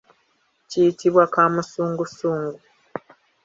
Kiyitibwa kaamusungusungu.